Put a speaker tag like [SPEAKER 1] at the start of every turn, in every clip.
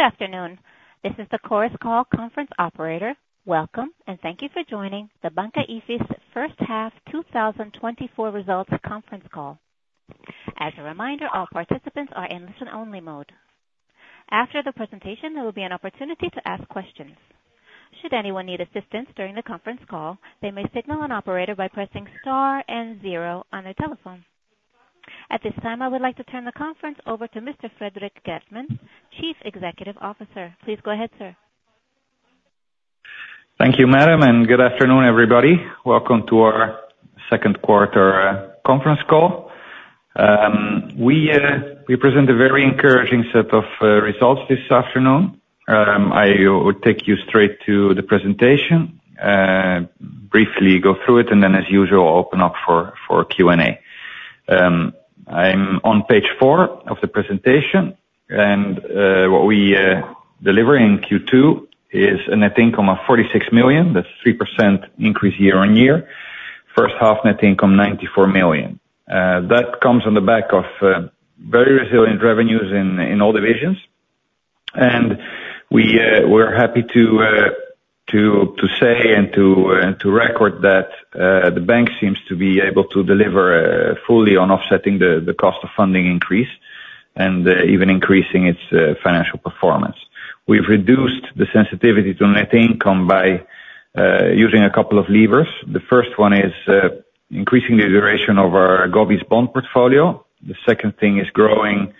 [SPEAKER 1] Good afternoon. This is the Chorus Call Conference Operator. Welcome, and thank you for joining the Banca Ifis first half 2024 results conference call. As a reminder, all participants are in listen-only mode. After the presentation, there will be an opportunity to ask questions. Should anyone need assistance during the conference call, they may signal an operator by pressing star and zero on their telephone. At this time, I would like to turn the conference over to Mr. Frederik Geertman, Chief Executive Officer. Please go ahead, sir.
[SPEAKER 2] Thank you, madam, and good afternoon, everybody. Welcome to our second quarter conference call. We present a very encouraging set of results this afternoon. I will take you straight to the presentation briefly go through it, and then, as usual, open up for Q&A. I'm on page four of the presentation, and what we deliver in Q2 is a net income of 46 million. That's 3% increase year-on-year. First half net income 94 million. That comes on the back of very resilient revenues in all divisions. And we're happy to say and to record that the bank seems to be able to deliver fully on offsetting the cost of funding increase and even increasing its financial performance. We've reduced the sensitivity to net income by using a couple of levers. The first one is increasing the duration of our Govies bond portfolio. The second thing is growing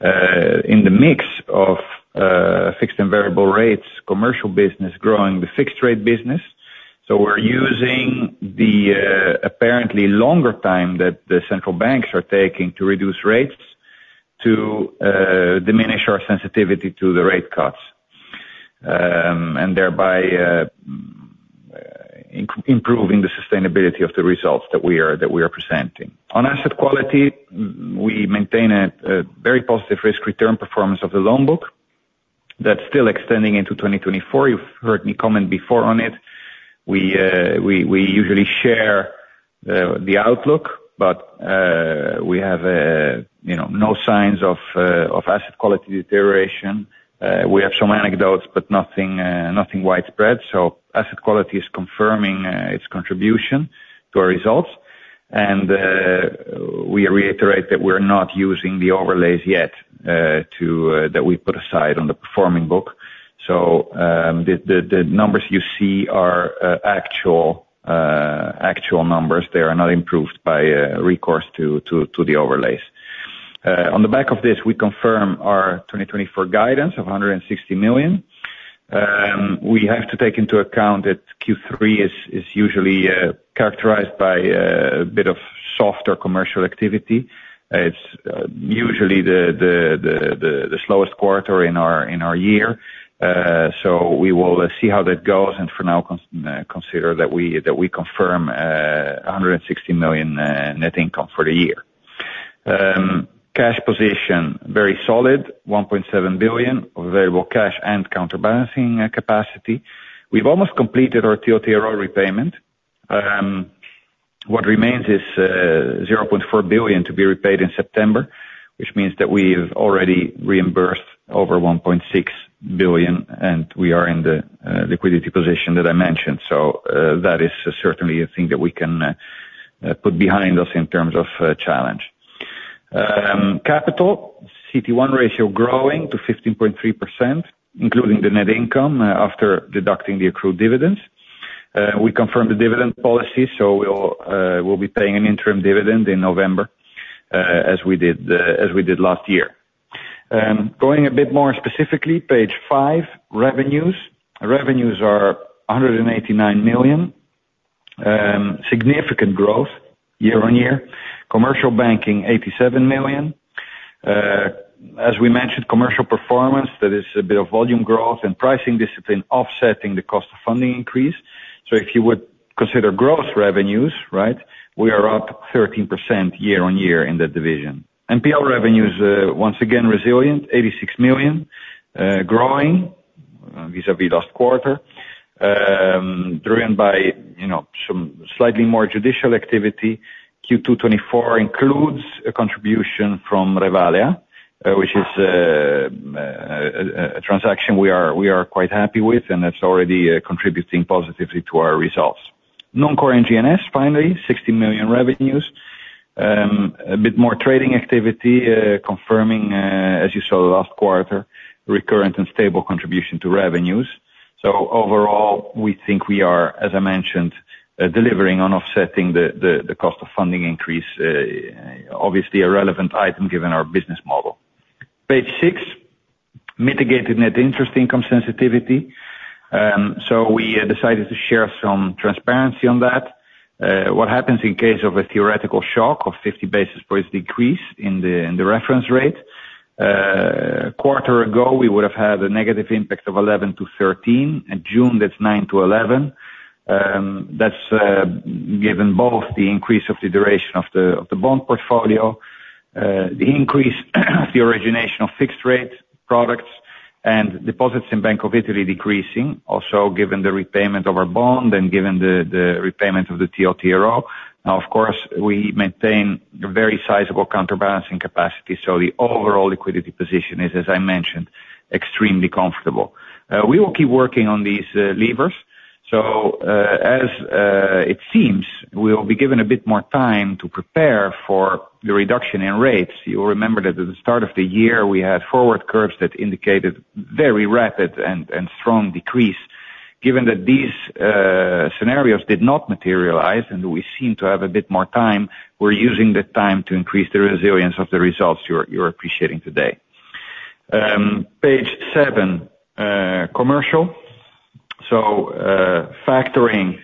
[SPEAKER 2] in the mix of fixed and variable rates, commercial business, growing the fixed rate business. So we're using the apparently longer time that the central banks are taking to reduce rates, to diminish our sensitivity to the rate cuts, and thereby improving the sustainability of the results that we are, that we are presenting. On asset quality, we maintain a very positive risk return performance of the loan book. That's still extending into 2024. You've heard me comment before on it. We usually share the outlook, but we have, you know, no signs of asset quality deterioration. We have some anecdotes, but nothing widespread. So asset quality is confirming its contribution to our results, and we reiterate that we're not using the overlays yet to that we put aside on the performing book. So, the numbers you see are actual numbers. They are not improved by recourse to the overlays. On the back of this, we confirm our 2024 guidance of 160 million. We have to take into account that Q3 is usually characterized by a bit of softer commercial activity. It's usually the slowest quarter in our year. So, we will see how that goes, and for now, consider that we confirm 160 million net income for the year. Cash position, very solid, 1.7 billion of available cash and counterbalancing capacity. We've almost completed our TLTRO repayment. What remains is 0.4 billion to be repaid in September, which means that we've already reimbursed over 1.6 billion, and we are in the liquidity position that I mentioned. So, that is certainly a thing that we can put behind us in terms of challenge. Capital, CET1 ratio growing to 15.3%, including the net income, after deducting the accrued dividends. We confirmed the dividend policy, so we'll be paying an interim dividend in November, as we did last year. Going a bit more specifically, page five, revenues. Revenues are 189 million, significant growth year-on-year. Commercial banking, 87 million. As we mentioned, commercial performance, that is a bit of volume growth and pricing discipline offsetting the cost of funding increase. So if you would consider growth revenues, right? We are up 13% year-on-year in that division. NPL revenues, once again, resilient, 86 million, growing vis-a-vis last quarter, driven by, you know, some slightly more judicial activity. Q2 2024 includes a contribution from Revalea, which is a transaction we are quite happy with, and that's already contributing positively to our results. Non-core and G&S, finally, 60 million revenues. A bit more trading activity, confirming, as you saw the last quarter, recurrent and stable contribution to revenues. So overall, we think we are, as I mentioned, delivering on offsetting the cost of funding increase, obviously a relevant item given our business model. Page six, mitigated net interest income sensitivity. So we decided to share some transparency on that. What happens in case of a theoretical shock of 50 basis points decrease in the reference rate? Quarter ago, we would have had a negative impact of 11 million-13 million. In June, that's 9 million-11 million. That's given both the increase of the duration of the bond portfolio, the increase, the origination of fixed rate products and deposits in Bank of Italy decreasing. Also, given the repayment of our bond and given the repayment of the TLTRO. Now, of course, we maintain a very sizable counterbalancing capacity, so the overall liquidity position is, as I mentioned, extremely comfortable. We will keep working on these levers. So, as it seems, we'll be given a bit more time to prepare for the reduction in rates. You'll remember that at the start of the year, we had forward curves that indicated very rapid and strong decrease. Given that these scenarios did not materialize, and we seem to have a bit more time, we're using the time to increase the resilience of the results you're appreciating today. Page seven, commercial. So, factoring,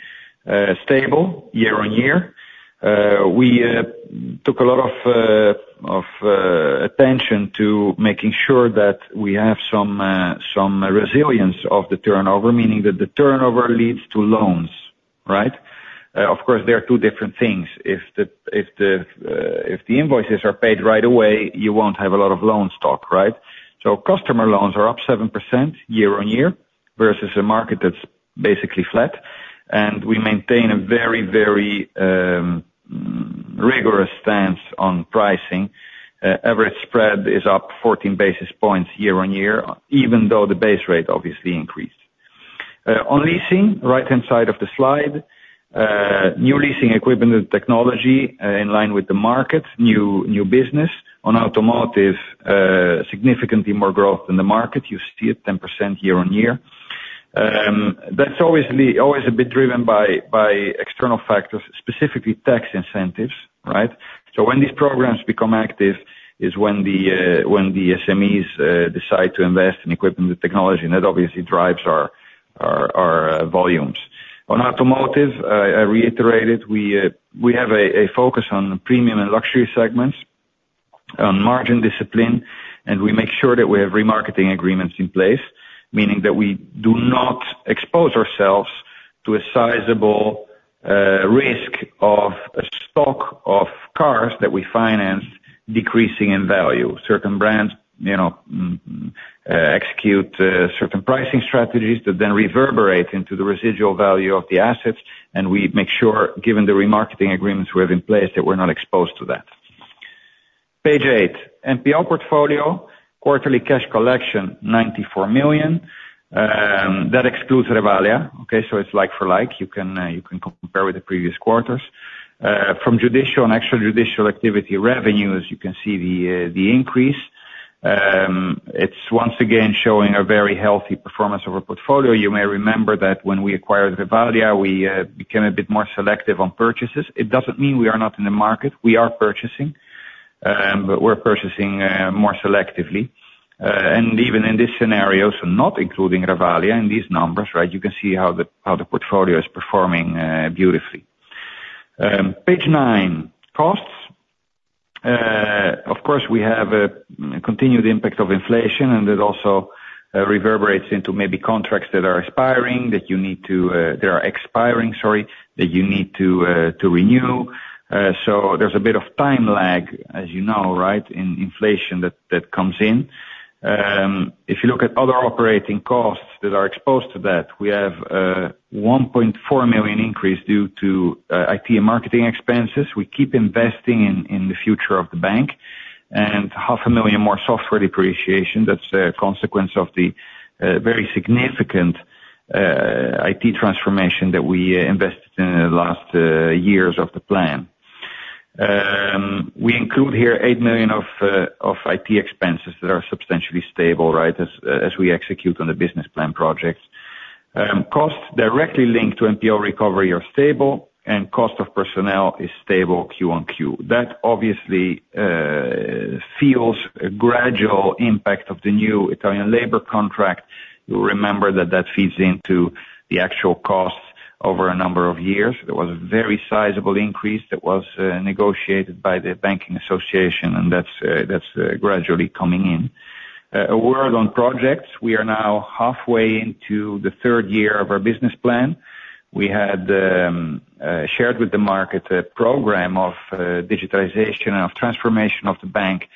[SPEAKER 2] stable year on year. We took a lot of attention to making sure that we have some resilience of the turnover, meaning that the turnover leads to loans, right? Of course, they are two different things. If the invoices are paid right away, you won't have a lot of loan stock, right? So customer loans are up 7% year-on-year, versus a market that's basically flat. And we maintain a very rigorous stance on pricing. Average spread is up 14 basis points year-on-year, even though the base rate obviously increased. On leasing, right-hand side of the slide, new leasing equipment and technology, in line with the market, new business. On automotive, significantly more growth than the market. You see it 10% year-on-year. That's obviously always a bit driven by external factors, specifically tax incentives, right? So when these programs become active, is when the SMEs decide to invest in equipment and technology, and that obviously drives our volumes. On automotive, I reiterated, we have a focus on the premium and luxury segments, on margin discipline, and we make sure that we have remarketing agreements in place, meaning that we do not expose ourselves to a sizable risk of a stock of cars that we financed, decreasing in value. Certain brands, you know, execute certain pricing strategies that then reverberate into the residual value of the assets, and we make sure, given the remarketing agreements we have in place, that we're not exposed to that. Page eight, NPL portfolio. Quarterly cash collection, 94 million, that excludes Revalea, okay? So it's like for like, you can, you can compare with the previous quarters. From judicial and extra judicial activity revenues, you can see the, the increase. It's once again showing a very healthy performance of our portfolio. You may remember that when we acquired Revalea, we, became a bit more selective on purchases. It doesn't mean we are not in the market, we are purchasing, but we're purchasing, more selectively. And even in this scenario, so not including Revalea in these numbers, right, you can see how the, how the portfolio is performing, beautifully. Page nine: costs. Of course, we have a continued impact of inflation, and it also reverberates into maybe contracts that are expiring, that you need to, that are expiring, sorry, that you need to, to renew. So there's a bit of time lag, as you know, right? In inflation that, that comes in. If you look at other operating costs that are exposed to that, we have 1.4 million increase due to IT and marketing expenses. We keep investing in the future of the bank, and 0.5 million more software depreciation. That's a consequence of the very significant IT transformation that we invested in, in the last years of the plan. We include here 8 million of IT expenses that are substantially stable, right? As we execute on the business plan projects. Costs directly linked to NPL recovery are stable and cost of personnel is stable Q on Q. That obviously feels a gradual impact of the new Italian labor contract. You'll remember that that feeds into the actual costs over a number of years. There was a very sizable increase that was negotiated by the banking association, and that's gradually coming in. A word on projects. We are now halfway into the third year of our business plan. We had shared with the market a program of digitization, of transformation of the bank,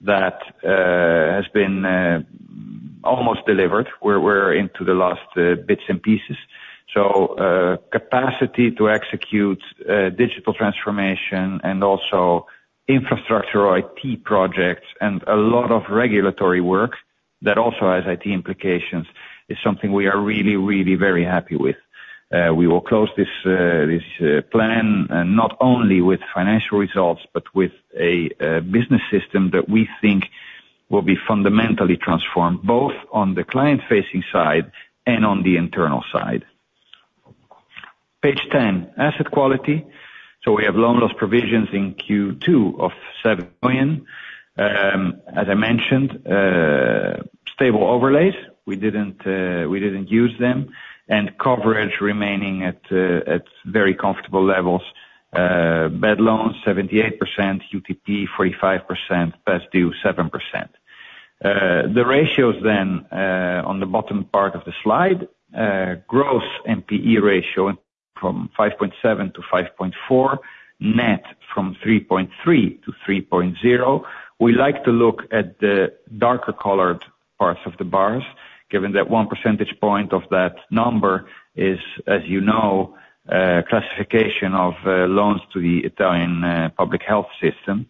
[SPEAKER 2] that has been almost delivered. We're into the last bits and pieces. So, capacity to execute, digital transformation and also infrastructure IT projects and a lot of regulatory work that also has IT implications, is something we are really, really very happy with. We will close this plan, and not only with financial results, but with a business system that we think will be fundamentally transformed, both on the client-facing side and on the internal side. Page 10, asset quality. So we have loan loss provisions in Q2 of 7 million. As I mentioned, stable overlays, we didn't use them, and coverage remaining at very comfortable levels. Bad loans, 78%, UTP, 45%, past due, 7%. The ratios then, on the bottom part of the slide, gross NPE ratio from 5.7-5.4, net from 3.3-3.0. We like to look at the darker colored parts of the bars, given that one percentage point of that number is, as you know, classification of loans to the Italian public health system.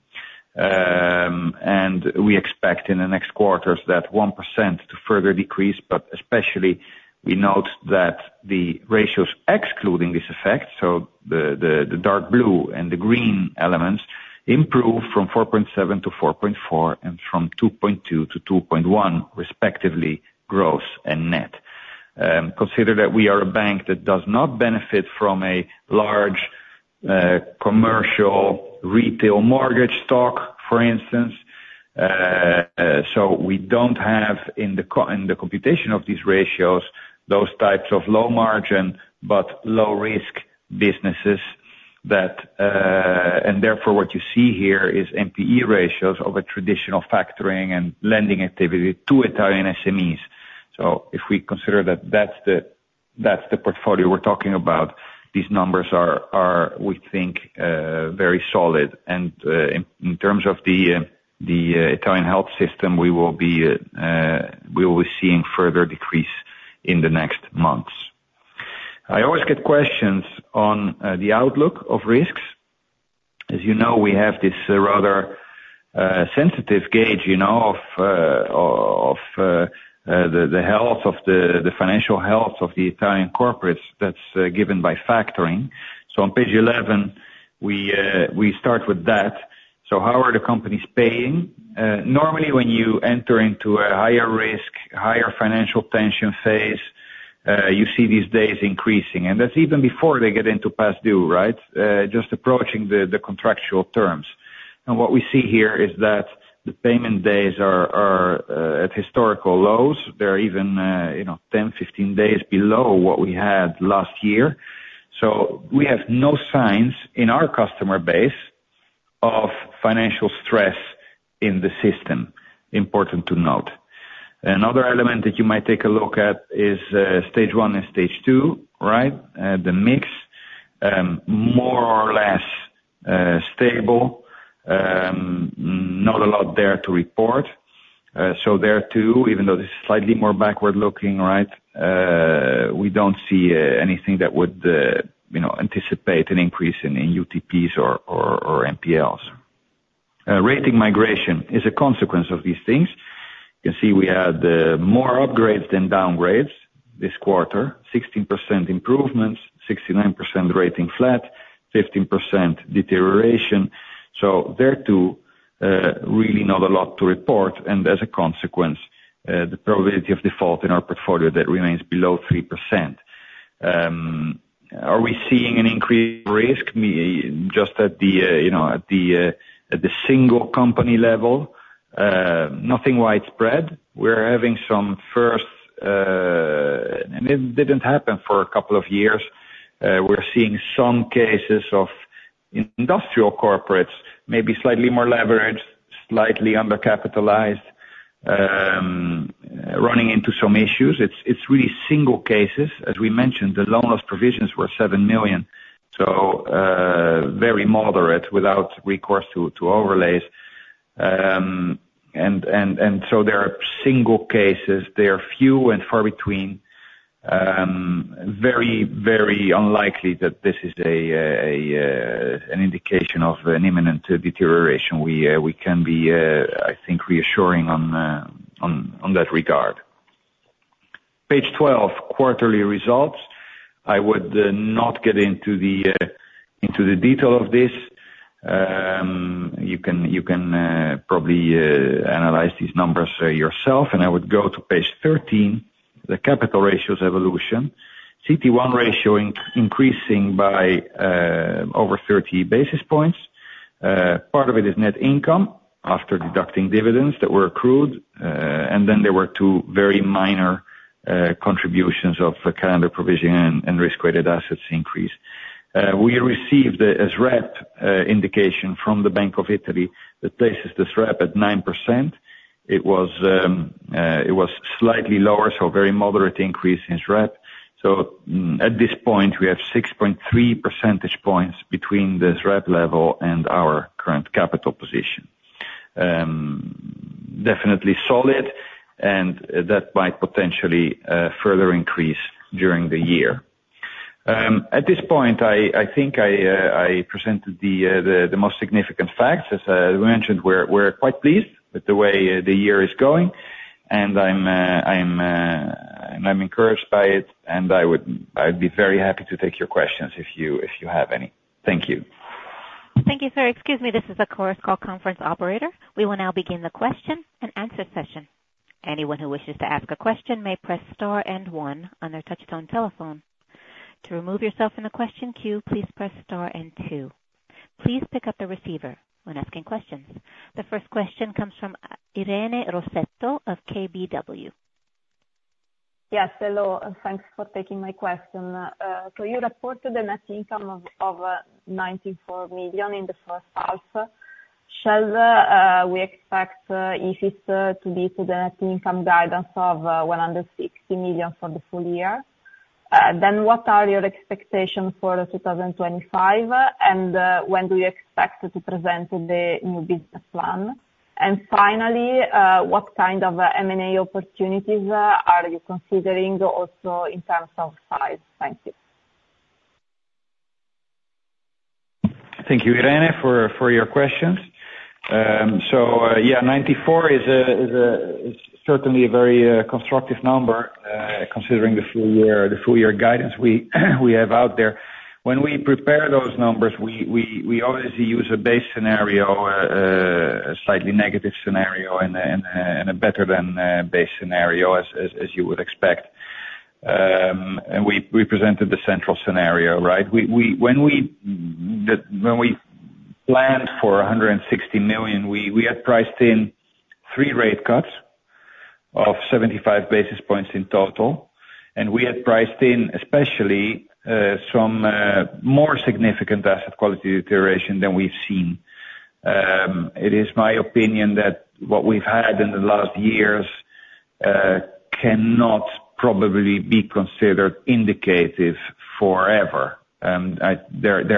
[SPEAKER 2] And we expect in the next quarters that 1% to further decrease, but especially we note that the ratios excluding this effect, so the dark blue and the green elements, improve from 4.7-4.4, and from 2.2-2.1, respectively, gross and net. Consider that we are a bank that does not benefit from a large commercial retail mortgage stock, for instance. So we don't have, in the computation of these ratios, those types of low margin, but low risk businesses that. And therefore, what you see here is NPE ratios of a traditional factoring and lending activity to Italian SMEs. So if we consider that that's the portfolio we're talking about, these numbers are, we think, very solid. And, in terms of the Italian health system, we will be seeing further decrease in the next months. I always get questions on the outlook of risks. As you know, we have this rather sensitive gauge, you know, of the financial health of the Italian corporates that's given by factoring. So on page 11, we start with that. So how are the companies paying? Normally, when you enter into a higher risk, higher financial tension phase, you see these days increasing, and that's even before they get into past due, right? Just approaching the contractual terms. And what we see here is that the payment days are at historical lows. They're even, you know, 10, 15 days below what we had last year. So we have no signs in our customer base of financial stress in the system, important to note. Another element that you might take a look at is Stage 1 and Stage 2, right? The mix, more or less, stable. Not a lot there to report. So there, too, even though this is slightly more backward-looking, right, we don't see, anything that would, you know, anticipate an increase in UTPs or NPLs. Rating migration is a consequence of these things. You can see we had, more upgrades than downgrades this quarter: 16% improvements, 69% rating flat, 15% deterioration. So there, too, really not a lot to report, and as a consequence, the probability of default in our portfolio, that remains below 3%. Are we seeing an increased risk, just at the, you know, at the single company level? Nothing widespread. We're having some first. And it didn't happen for a couple of years. We're seeing some cases of industrial corporates, maybe slightly more leveraged, slightly undercapitalized, running into some issues. It's really single cases. As we mentioned, the loan loss provisions were 7 million, so very moderate, without recourse to overlays. And so there are single cases, they are few and far between. Very unlikely that this is an indication of an imminent deterioration. We can be, I think, reassuring on that regard. Page 12, quarterly results. I would not get into the detail of this. You can probably analyze these numbers yourself. And I would go to page 13, the capital ratios evolution. CET1 ratio increasing by over 30 basis points. Part of it is net income after deducting dividends that were accrued, and then there were two very minor contributions of calendar provisioning and risk-weighted assets increase. We received a SREP indication from the Bank of Italy that places the SREP at 9%. It was slightly lower, so very moderate increase in SREP. So, at this point, we have 6.3 percentage points between the SREP level and our current capital position. Definitely solid, and that might potentially further increase during the year. At this point, I think I presented the most significant facts. As we mentioned, we're quite pleased with the way the year is going, and I'm encouraged by it, and I'd be very happy to take your questions if you have any. Thank you.
[SPEAKER 1] Thank you, sir. Excuse me, this is the Chorus Call conference operator. We will now begin the question and answer session. Anyone who wishes to ask a question may press star and one on their touchtone telephone. To remove yourself from the question queue, please press star and two. Please pick up the receiver when asking questions. The first question comes from Irene Rossetto of KBW.
[SPEAKER 3] Yes, hello, and thanks for taking my question. So you reported a net income of 94 million in the first half. Shall we expect, if it's, to be to the net income guidance of 160 million for the full year? Then what are your expectations for 2025, and, when do you expect to present the new business plan? And finally, what kind of M&A opportunities are you considering also in terms of size? Thank you.
[SPEAKER 2] Thank you, Irene, for your questions. So, yeah, 94 is certainly a very constructive number, considering the full year guidance we have out there. When we prepare those numbers, we obviously use a base scenario, a slightly negative scenario and a better than base scenario, as you would expect. And we presented the central scenario, right? When we planned for 160 million, we had priced in 3 rate cuts of 75 basis points in total, and we had priced in, especially, some more significant asset quality deterioration than we've seen. It is my opinion that what we've had in the last years cannot probably be considered indicative forever. There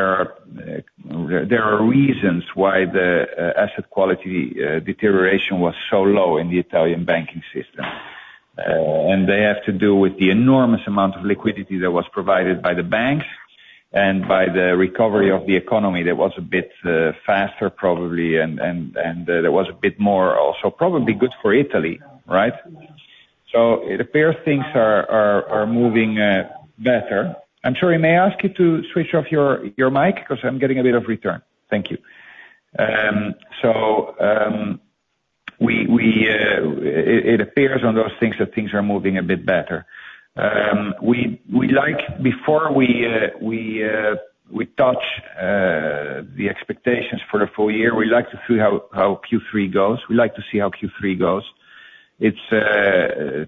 [SPEAKER 2] are reasons why the asset quality deterioration was so low in the Italian banking system. They have to do with the enormous amount of liquidity that was provided by the banks and by the recovery of the economy, that was a bit faster, probably, and there was a bit more also. Probably good for Italy, right? So it appears things are moving better. I'm sorry, may I ask you to switch off your mic? 'Cause I'm getting a bit of return. Thank you. So it appears on those things that things are moving a bit better. We like before we touch the expectations for the full year, we like to see how Q3 goes. We like to see how Q3 goes. It's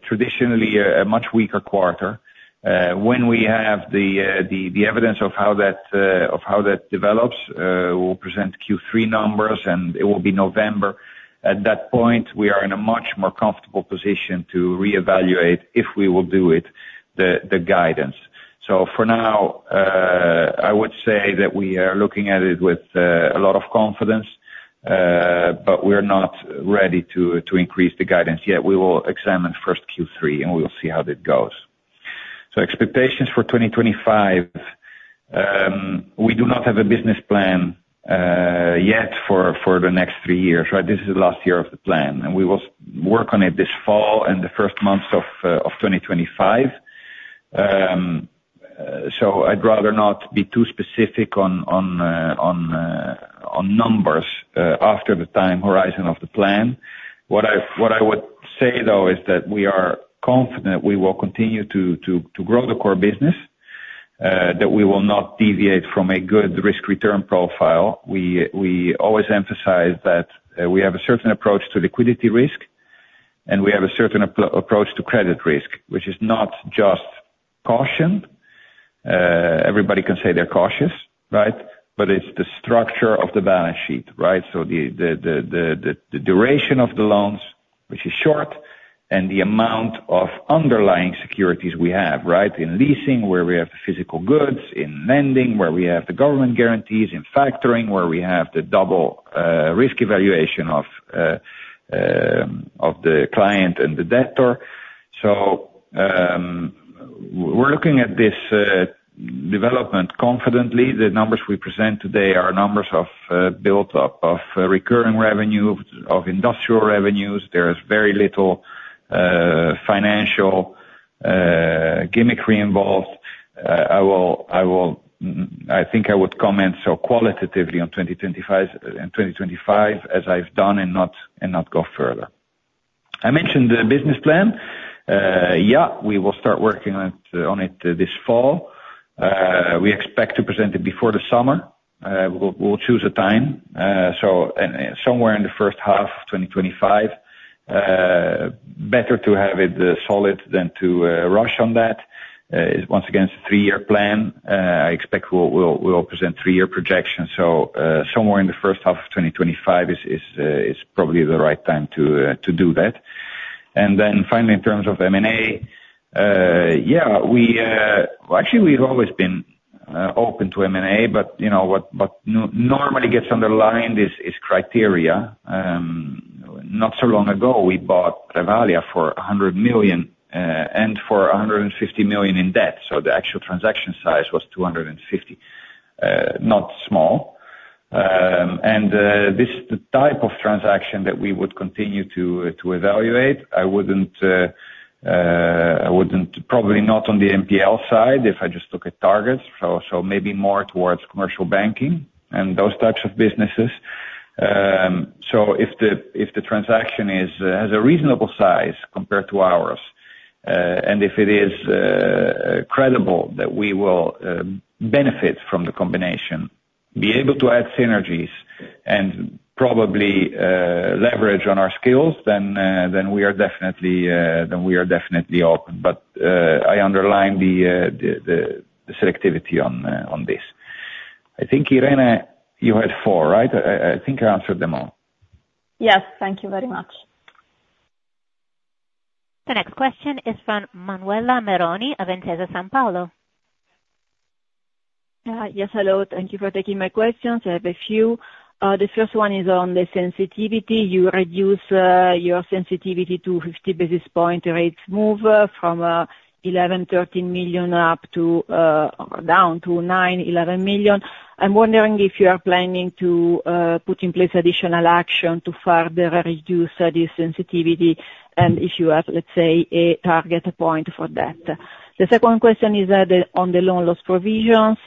[SPEAKER 2] traditionally a much weaker quarter. When we have the evidence of how that develops, we'll present Q3 numbers, and it will be November. At that point, we are in a much more comfortable position to reevaluate, if we will do it, the guidance. So for now, I would say that we are looking at it with a lot of confidence, but we're not ready to increase the guidance yet. We will examine first Q3, and we will see how that goes. So expectations for 2025, we do not have a business plan yet, for the next three years, right? This is the last year of the plan, and we will work on it this fall and the first months of 2025. So I'd rather not be too specific on numbers after the time horizon of the plan. What I would say, though, is that we are confident we will continue to grow the core business, that we will not deviate from a good risk-return profile. We always emphasize that we have a certain approach to liquidity risk, and we have a certain approach to credit risk, which is not just caution. Everybody can say they're cautious, right? But it's the structure of the balance sheet, right? So the duration of the loans, which is short, and the amount of underlying securities we have, right? In leasing, where we have the physical goods, in lending, where we have the government guarantees, in factoring, where we have the double risk evaluation of the client and the debtor. So, we're looking at this development confidently. The numbers we present today are numbers of built up, of recurring revenue, of industrial revenues. There is very little financial gimmickry involved. I will, I will—I think I would comment so qualitatively on 2025, in 2025, as I've done, and not go further. I mentioned the business plan. Yeah, we will start working on it this fall. We expect to present it before the summer. We'll choose a time, so and somewhere in the first half of 2025. Better to have it solid than to rush on that. Once again, it's a three-year plan. I expect we'll present three-year projections, so somewhere in the first half of 2025 is probably the right time to do that. And then finally, in terms of M&A, yeah, we actually we've always been open to M&A, but you know what, but normally gets underlined is criteria. Not so long ago, we bought Revalea for 100 million, and for 150 million in debt, so the actual transaction size was 250. Not small. And this is the type of transaction that we would continue to evaluate. I wouldn't probably not on the NPL side, if I just look at targets, so maybe more towards commercial banking and those types of businesses. So if the transaction has a reasonable size compared to ours, and if it is credible that we will benefit from the combination, be able to add synergies and probably leverage on our skills, then we are definitely open. But I underline the selectivity on this. I think, Irene, you had four, right? I think I answered them all.
[SPEAKER 3] Yes. Thank you very much.
[SPEAKER 1] The next question is from Manuela Meroni of Intesa Sanpaolo.
[SPEAKER 4] Yes, hello. Thank you for taking my questions. I have a few. The first one is on the sensitivity. You reduce your sensitivity to 50 basis point rate moves from 11 million-13 million down to 9 million-11 million. I'm wondering if you are planning to put in place additional action to further reduce the sensitivity, and if you have, let's say, a target point for that? The second question is on the loan loss provisions.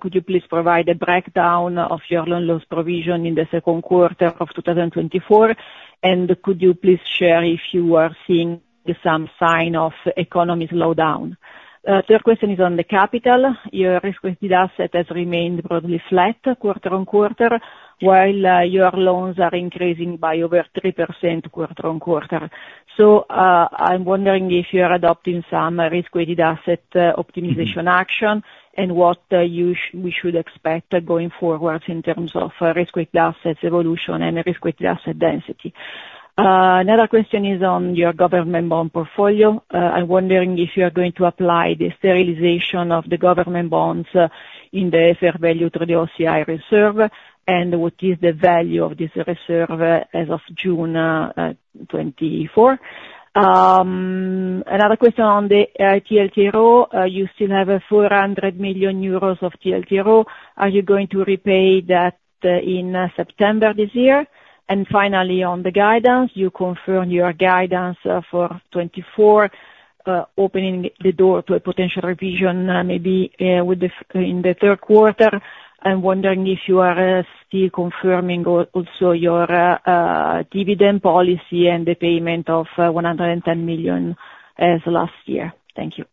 [SPEAKER 4] Could you please provide a breakdown of your loan loss provision in the second quarter of 2024? And could you please share if you are seeing some sign of economic slowdown. Third question is on the capital. Your risk-weighted asset has remained broadly flat quarter-on-quarter, while your loans are increasing by over 3% quarter-on-quarter. So, I'm wondering if you are adopting some risk-weighted asset optimization action, and what we should expect going forward in terms of risk-weighted assets evolution and risk-weighted asset density. Another question is on your government bond portfolio. I'm wondering if you are going to apply the sterilization of the government bonds in the fair value through the OCI reserve, and what is the value of this reserve as of June 2024. Another question on the TLTRO. You still have 400 million euros of TLTRO. Are you going to repay that in September this year? Finally, on the guidance, you confirm your guidance for 2024, opening the door to a potential revision, maybe, with the f- in the third quarter. I'm wondering if you are still confirming also your dividend policy and the payment of 110 million as last year. Thank you.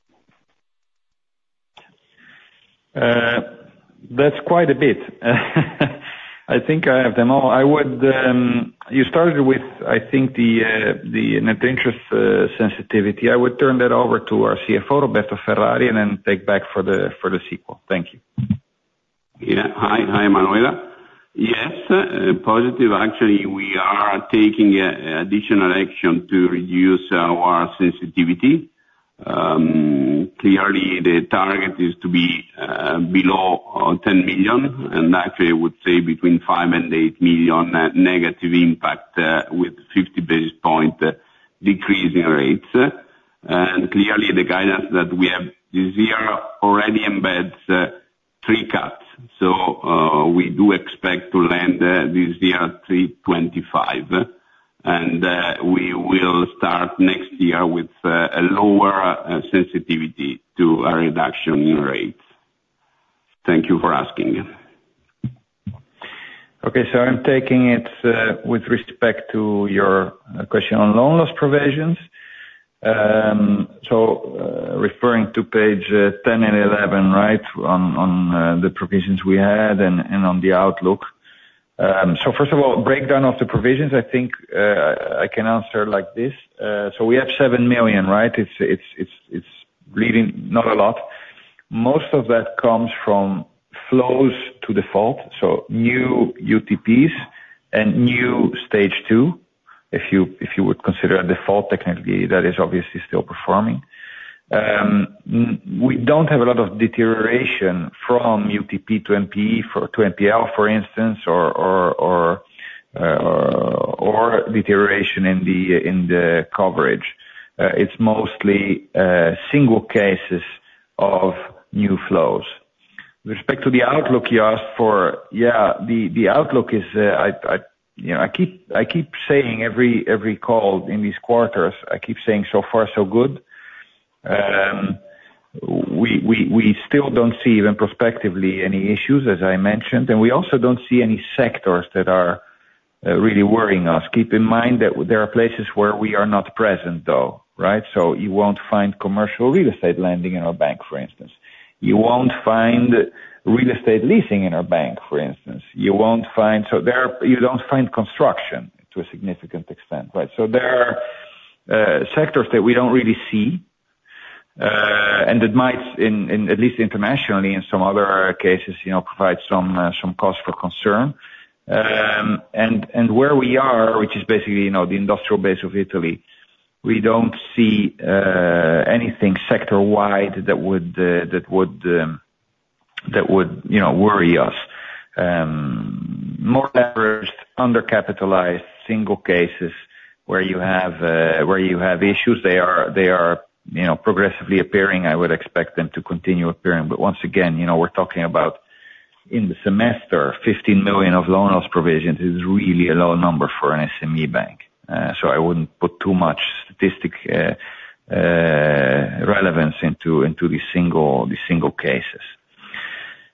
[SPEAKER 2] That's quite a bit. I think I have them all. I would, you started with, I think, the net interest sensitivity. I would turn that over to our CFO, Roberto Ferrari, and then take back for the sequel. Thank you.
[SPEAKER 5] Yeah. Hi, hi, Manuela. Yes, positive. Actually, we are taking additional action to reduce our sensitivity. Clearly, the target is to be below 10 million, and actually I would say between 5 million and 8 million negative impact with 50 basis point decreasing rates. And clearly, the guidance that we have this year already embeds 3 cuts, so we do expect to land this year at 325. And we will start next year with a lower sensitivity to a reduction in rates. Thank you for asking.
[SPEAKER 2] Okay, so I'm taking it with respect to your question on loan loss provisions. So, referring to page 10 and 11, right, on the provisions we had and on the outlook. So first of all, breakdown of the provisions, I think, I can answer like this. So we have 7 million, right? It's really not a lot. Most of that comes from flows to default, so new UTPs and new stage two, if you would consider a default, technically, that is obviously still performing. We don't have a lot of deterioration from UTP to NPE to NPL, for instance, or deterioration in the coverage. It's mostly single cases of new flows. With respect to the outlook you asked for, yeah, the outlook is, you know, I keep saying every call in these quarters, I keep saying, so far so good. We still don't see even prospectively any issues, as I mentioned, and we also don't see any sectors that are really worrying us. Keep in mind that there are places where we are not present, though, right? So you won't find commercial real estate lending in our bank, for instance. You won't find real estate leasing in our bank, for instance. You won't find... So there, you don't find construction to a significant extent, right? So there are sectors that we don't really see, and that might, in at least internationally, in some other cases, you know, provide some cause for concern. Where we are, which is basically, you know, the industrial base of Italy, we don't see anything sector-wide that would, you know, worry us. More leveraged, undercapitalized, single cases where you have issues, they are, you know, progressively appearing. I would expect them to continue appearing. But once again, you know, we're talking about in the semester, 15 million of loan loss provisions is really a low number for an SME bank. So I wouldn't put too much statistical relevance into the single cases.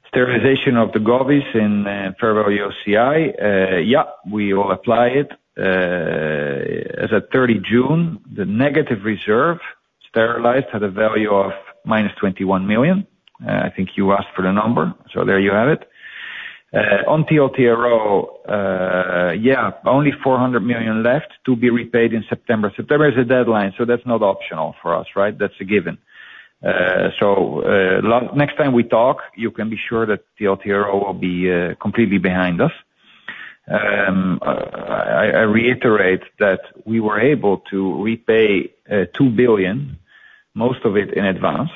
[SPEAKER 2] Sterilization of the govies in fair value OCI, yeah, we will apply it. As at 30 June, the negative reserve sterilized had a value of -21 million. I think you asked for the number, so there you have it. On TLTRO, yeah, only 400 million left to be repaid in September. September is the deadline, so that's not optional for us, right? That's a given. Next time we talk, you can be sure that TLTRO will be completely behind us. I reiterate that we were able to repay 2 billion, most of it in advance,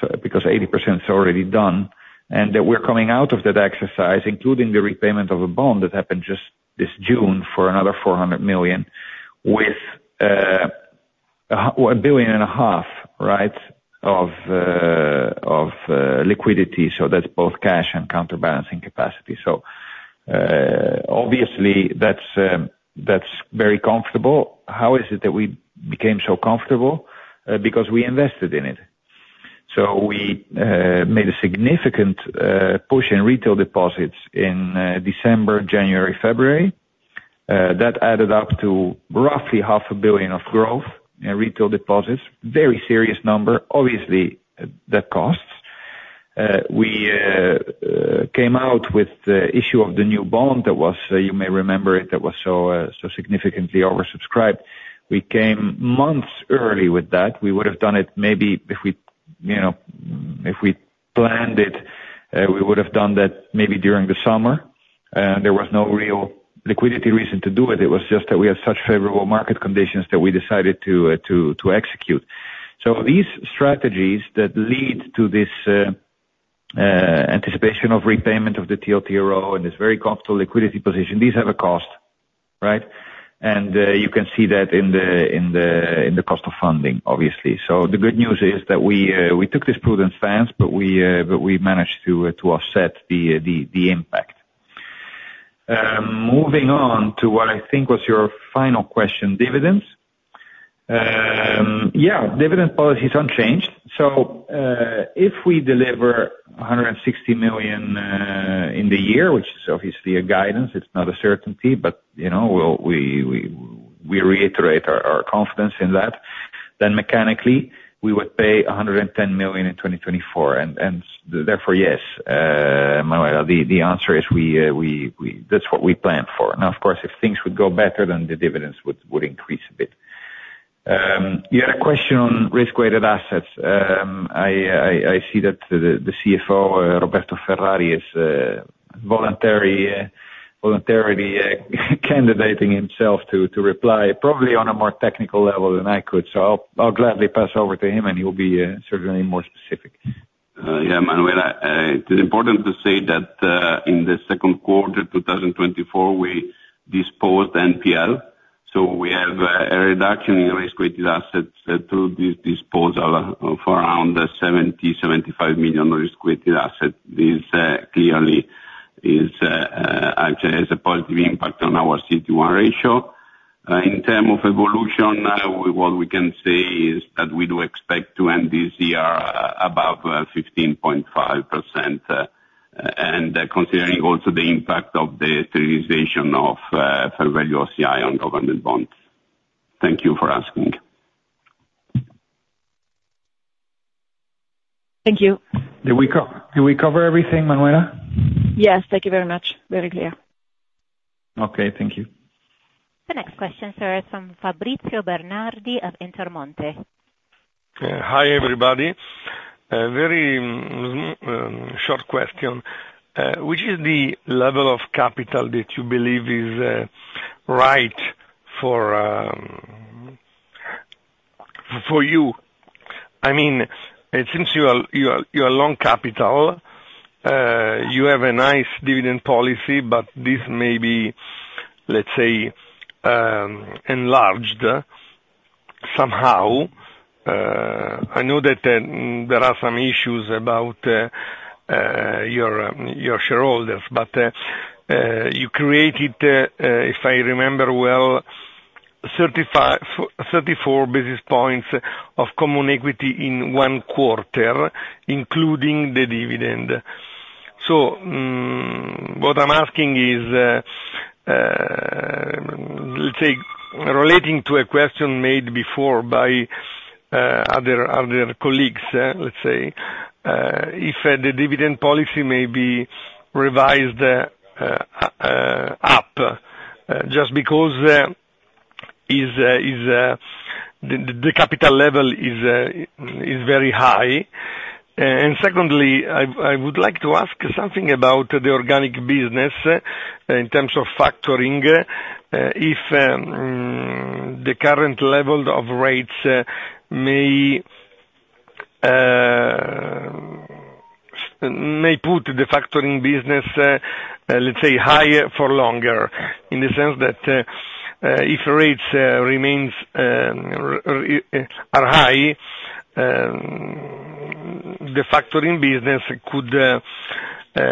[SPEAKER 2] so, because 80% is already done, and that we're coming out of that exercise, including the repayment of a bond that happened just this June, for another 400 million, with a billion and a half, right, of liquidity, so that's both cash and counterbalancing capacity. So, obviously, that's very comfortable. How is it that we became so comfortable? Because we invested in it. So we made a significant push in retail deposits in December, January, February. That added up to roughly 500 million of growth in retail deposits. Very serious number, obviously, that costs. We came out with the issue of the new bond, that was, you may remember it, that was so significantly oversubscribed. We came months early with that. We would have done it, maybe if we, you know, if we planned it, we would have done that maybe during the summer. There was no real liquidity reason to do it. It was just that we had such favorable market conditions that we decided to execute. So these strategies that lead to this anticipation of repayment of the TLTRO, and this very comfortable liquidity position, these have a cost, right? You can see that in the cost of funding, obviously. So the good news is that we took this prudent stance, but we managed to offset the impact. Moving on to what I think was your final question, dividends. Yeah, dividend policy is unchanged, so if we deliver 160 million in the year, which is obviously a guidance, it's not a certainty, but you know, we reiterate our confidence in that, then mechanically, we would pay 110 million in 2024. And therefore, yes, Manuela, the answer is we- that's what we planned for. Now, of course, if things would go better, then the dividends would increase a bit. You had a question on risk-weighted assets. I see that the CFO, Roberto Ferrari, is voluntarily candidating himself to reply, probably on a more technical level than I could. So I'll gladly pass over to him, and he will be certainly more specific.
[SPEAKER 5] Yeah, Manuela, it's important to say that in the second quarter, 2024, we disposed NPL. So we have a reduction in risk-weighted assets through this disposal of around 70 million-75 million risk-weighted assets. This clearly actually has a positive impact on our CET1 ratio. In terms of evolution, what we can say is that we do expect to end this year above 15.5%, and considering also the impact of the realization of fair value OCI on government bonds. Thank you for asking.
[SPEAKER 4] Thank you.
[SPEAKER 2] Did we cover everything, Manuela?
[SPEAKER 4] Yes, thank you very much. Very clear.
[SPEAKER 2] Okay. Thank you.
[SPEAKER 1] The next question, sir, is from Fabrizio Bernardi at Intermonte.
[SPEAKER 6] Hi, everybody. A very short question. Which is the level of capital that you believe is right for you? I mean, it seems you are long capital. You have a nice dividend policy, but this may be, let's say, enlarged somehow. I know that there are some issues about your shareholders, but you created, if I remember well, 34 basis points of common equity in one quarter, including the dividend. So, what I'm asking is, let's say, relating to a question made before by other colleagues, let's say, if the dividend policy may be revised up just because the capital level is very high. And secondly, I would like to ask something about the organic business, in terms of factoring, if the current level of rates may put the factoring business, let's say, high for longer, in the sense that, if rates are high, the factoring business could be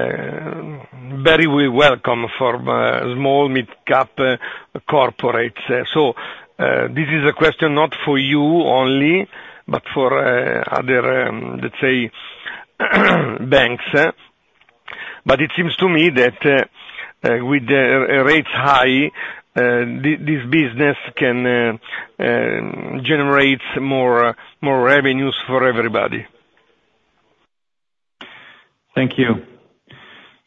[SPEAKER 6] very welcome for small mid-cap corporates. So, this is a question not for you only, but for other, let's say, banks. But it seems to me that, with the rates high, this business can generate more revenues for everybody.
[SPEAKER 2] Thank you.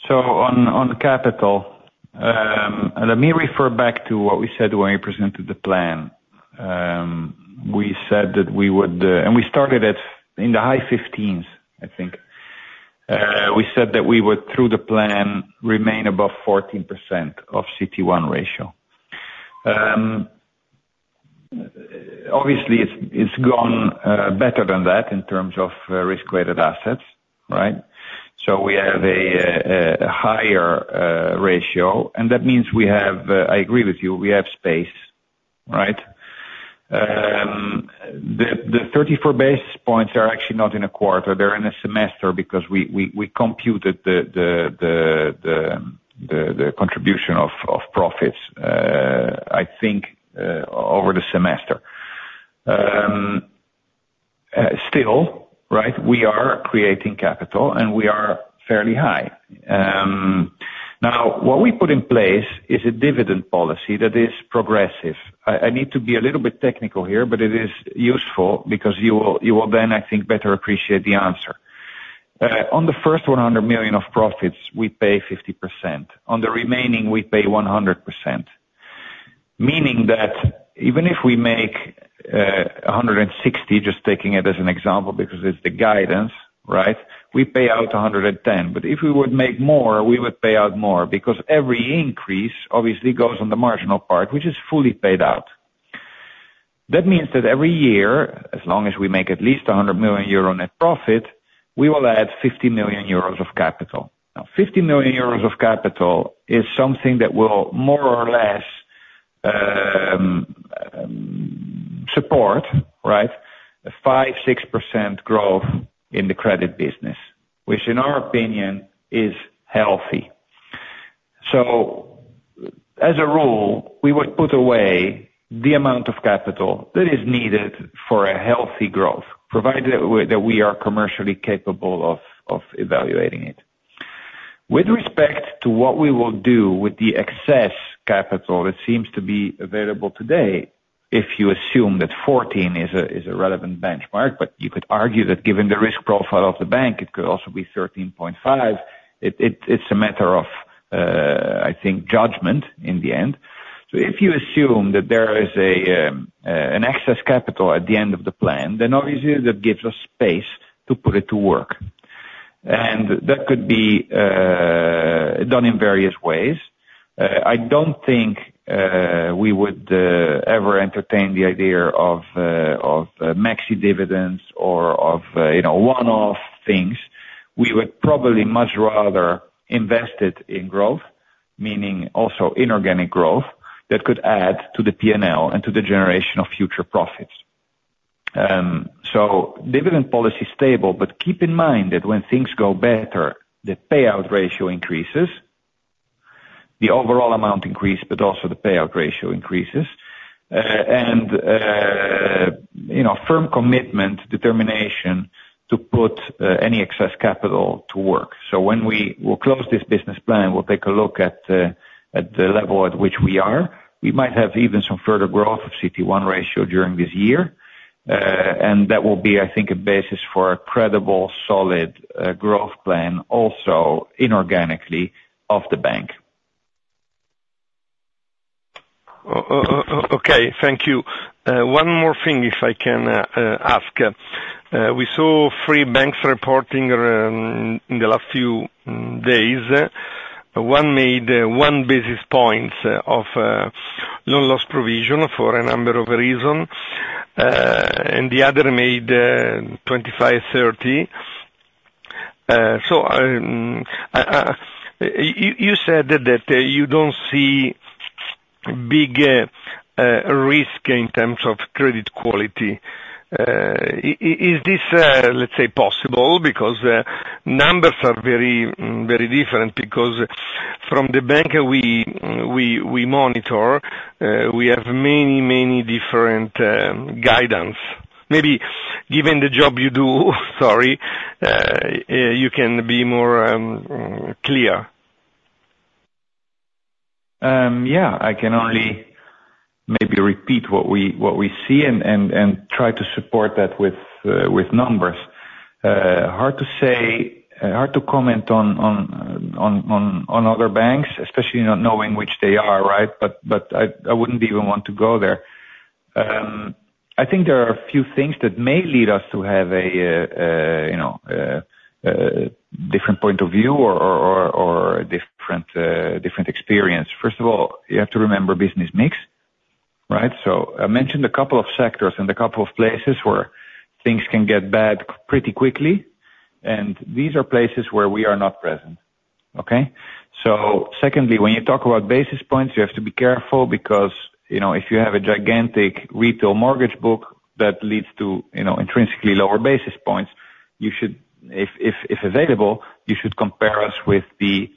[SPEAKER 2] So on, on the capital, let me refer back to what we said when we presented the plan. We said that we would, and we started at, in the high 15s, I think. We said that we would, through the plan, remain above 14% of CET1 ratio. Obviously, it's, it's gone better than that in terms of risk-weighted assets, right? So we have a a higher ratio, and that means we have, I agree with you, we have space, right? The, the 34 basis points are actually not in a quarter, they're in a semester, because we, we, we computed the, the, the, the, the, the contribution of, of profits, I think, over the semester. Still, right, we are creating capital, and we are fairly high. Now, what we put in place is a dividend policy that is progressive. I need to be a little bit technical here, but it is useful because you will then, I think, better appreciate the answer. On the first 100 million of profits, we pay 50%. On the remaining, we pay 100%, meaning that even if we make 160, just taking it as an example, because it's the guidance, right? We pay out 110. But if we would make more, we would pay out more, because every increase obviously goes on the marginal part, which is fully paid out. That means that every year, as long as we make at least 100 million euro net profit, we will add 50 million euros of capital. Now, 50 million euros of capital is something that will more or less support, right, 5%-6% growth in the credit business, which in our opinion, is healthy. So, as a rule, we would put away the amount of capital that is needed for a healthy growth, provided that we are commercially capable of evaluating it. With respect to what we will do with the excess capital that seems to be available today, if you assume that 14 is a relevant benchmark, but you could argue that given the risk profile of the bank, it could also be 13.5. It's a matter of, I think, judgment in the end. So if you assume that there is an excess capital at the end of the plan, then obviously that gives us space to put it to work. That could be done in various ways. I don't think we would ever entertain the idea of maxi dividends or of you know one-off things. We would probably much rather invest it in growth, meaning also inorganic growth, that could add to the P&L and to the generation of future profits. So dividend policy is stable, but keep in mind that when things go better, the payout ratio increases, the overall amount increase, but also the payout ratio increases, and you know firm commitment, determination to put any excess capital to work. When we will close this business plan, we'll take a look at the level at which we are. We might have even some further growth of CET1 ratio during this year, and that will be, I think, a basis for a credible, solid growth plan, also inorganically, of the bank.
[SPEAKER 6] Okay, thank you. One more thing, if I can ask. We saw three banks reporting in the last few days. One made 1 basis points of loan loss provision for a number of reasons, and the other made 25, 30. So, you said that you don't see big risk in terms of credit quality. Is this, let's say, possible? Because numbers are very, very different, because from the bank we monitor, we have many, many different guidance. Maybe given the job you do, sorry, you can be more clear.
[SPEAKER 2] Yeah, I can only maybe repeat what we see and try to support that with, with numbers. Hard to say... Hard to comment on other banks, especially not knowing which they are, right? But I wouldn't even want to go there. I think there are a few things that may lead us to have a you know different point of view or a different different experience. First of all, you have to remember business mix, right? So I mentioned a couple of sectors and a couple of places where things can get bad pretty quickly, and these are places where we are not present. Okay? So secondly, when you talk about basis points, you have to be careful because, you know, if you have a gigantic retail mortgage book that leads to, you know, intrinsically lower basis points, you should, if available, you should compare us with the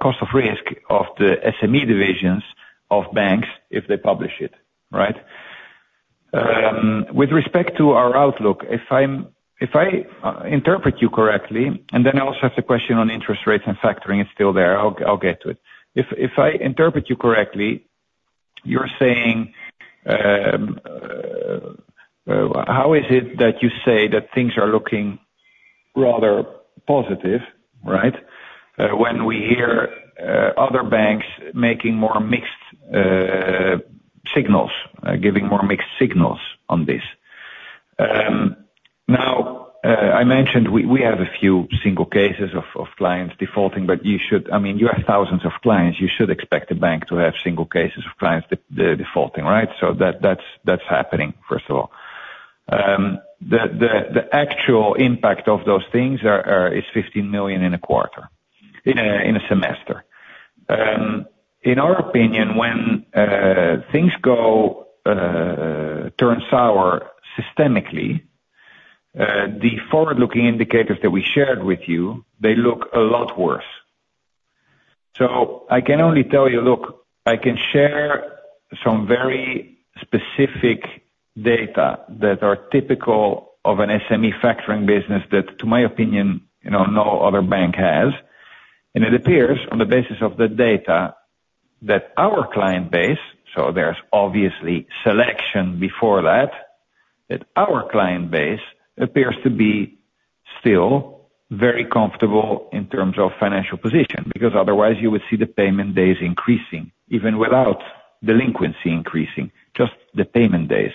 [SPEAKER 2] cost of risk of the SME divisions of banks, if they publish it, right? With respect to our outlook, if I interpret you correctly, and then I also have the question on interest rates and factoring is still there. I'll get to it. If I interpret you correctly, you're saying how is it that you say that things are looking rather positive, right? When we hear other banks making more mixed signals, giving more mixed signals on this. Now, I mentioned we have a few single cases of clients defaulting, but you should-- I mean, you have thousands of clients, you should expect the bank to have single cases of clients defaulting, right? So that's happening, first of all. The actual impact of those things is 15 million in a quarter, in a semester. In our opinion, when things turn sour systemically, the forward-looking indicators that we shared with you, they look a lot worse. So I can only tell you, look, I can share some very specific data that are typical of an SME factoring business that, to my opinion, you know, no other bank has. It appears, on the basis of the data, that our client base, so there's obviously selection before that, that our client base appears to be still very comfortable in terms of financial position, because otherwise you would see the payment days increasing, even without delinquency increasing, just the payment days.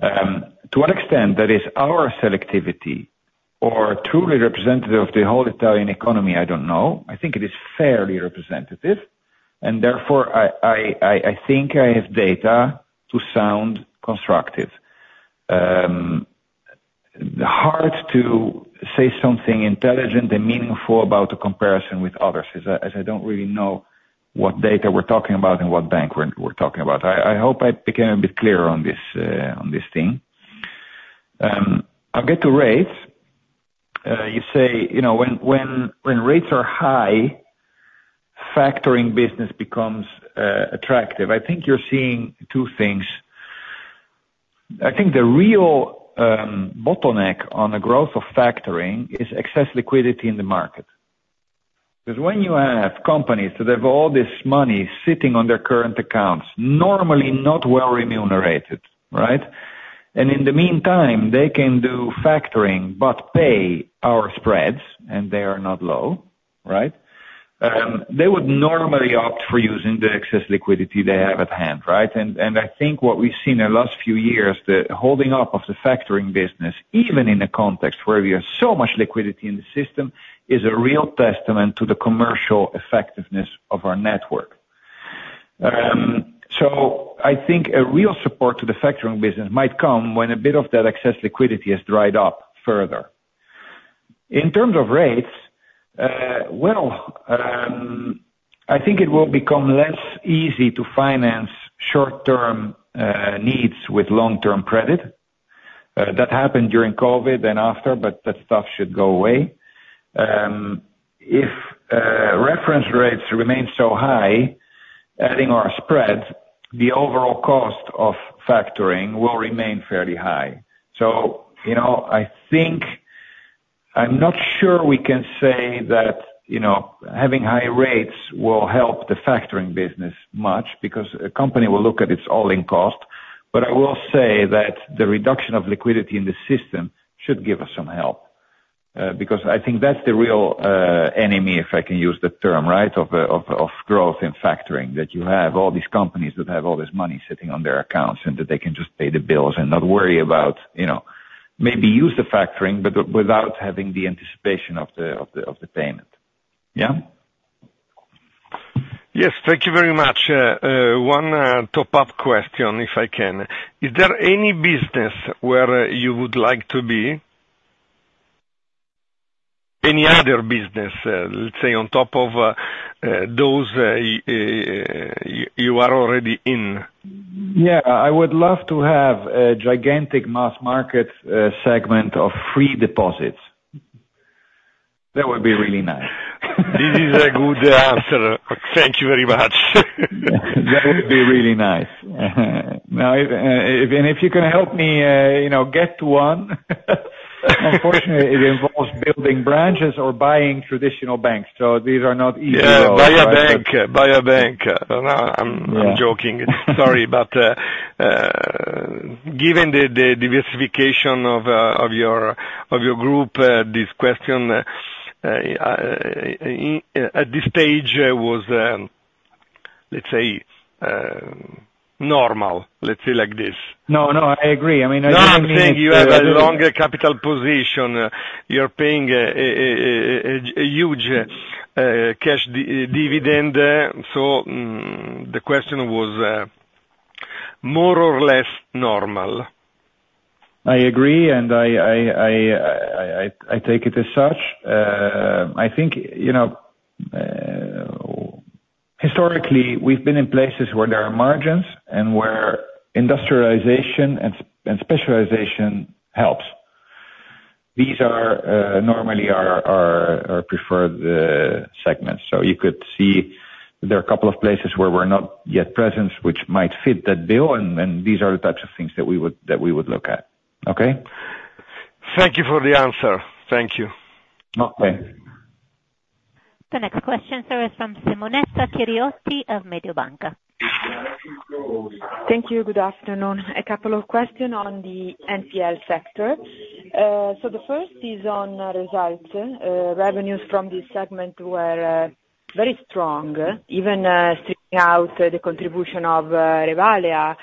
[SPEAKER 2] To what extent that is our selectivity or truly representative of the whole Italian economy, I don't know. I think it is fairly representative, and therefore, I think I have data to sound constructive. Hard to say something intelligent and meaningful about the comparison with others, as I don't really know what data we're talking about and what bank we're talking about. I hope I became a bit clearer on this, on this thing. I'll get to rates. You say, you know, when rates are high, factoring business becomes attractive. I think you're seeing two things. I think the real bottleneck on the growth of factoring is excess liquidity in the market. Because when you have companies that have all this money sitting on their current accounts, normally not well remunerated, right? And in the meantime, they can do factoring, but pay our spreads, and they are not low, right? They would normally opt for using the excess liquidity they have at hand, right? And I think what we've seen in the last few years, the holding up of the factoring business, even in a context where we have so much liquidity in the system, is a real testament to the commercial effectiveness of our network. So I think a real support to the factoring business might come when a bit of that excess liquidity has dried up further. In terms of rates, I think it will become less easy to finance short-term needs with long-term credit. That happened during COVID, then after, but that stuff should go away. If reference rates remain so high, adding our spreads, the overall cost of factoring will remain fairly high. So, you know, I think... I'm not sure we can say that, you know, having high rates will help the factoring business much, because a company will look at its all-in cost. But I will say that the reduction of liquidity in the system should give us some help, because I think that's the real enemy, if I can use the term, right, of growth in factoring. That you have all these companies that have all this money sitting on their accounts, and that they can just pay the bills and not worry about, you know, maybe use the factoring, but without having the anticipation of the payment. Yeah?
[SPEAKER 6] Yes, thank you very much. One top-up question, if I can. Is there any business where you would like to be? Any other business, let's say, on top of those you are already in?
[SPEAKER 2] Yeah, I would love to have a gigantic mass market segment of free deposits. That would be really nice.
[SPEAKER 6] This is a good answer. Thank you very much.
[SPEAKER 2] That would be really nice. Now, if you can help me, you know, get one, unfortunately, it involves building branches or buying traditional banks, so these are not easy though.
[SPEAKER 6] Yeah, buy a bank, buy a bank. No, I'm joking. Sorry, but given the diversification of your group, this question at this stage was, let's say, normal, let's say like this.
[SPEAKER 2] No, no, I agree. I mean, I didn't think-
[SPEAKER 6] You have a longer capital position. You're paying a huge cash dividend, so the question was more or less normal.
[SPEAKER 2] I agree, and I take it as such. I think, you know, historically, we've been in places where there are margins and where industrialization and specialization helps. These are normally our preferred segments. So you could see there are a couple of places where we're not yet present, which might fit that bill, and these are the types of things that we would look at. Okay?
[SPEAKER 6] Thank you for the answer. Thank you.
[SPEAKER 2] No, thank you.
[SPEAKER 1] The next question is from Simonetta Chiriotti of Mediobanca.
[SPEAKER 7] Thank you. Good afternoon. A couple of questions on the NPL sector. So the first is on results. Revenues from this segment were very strong, even stripping out the contribution of Revalea,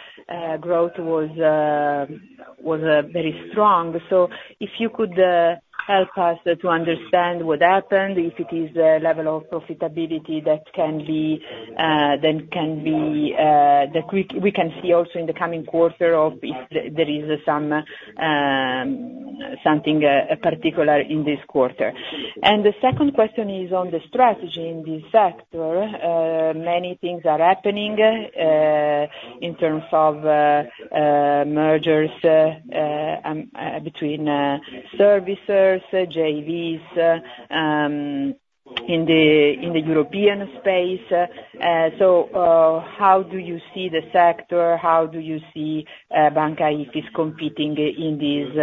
[SPEAKER 7] growth was very strong. So if you could help us to understand what happened, if it is a level of profitability that can be that we can see also in the coming quarter, or if there is some something particular in this quarter. The second question is on the strategy in this sector. Many things are happening in terms of mergers between servicers, JVs in the European space. So how do you see the sector? How do you see Banca Ifis competing in this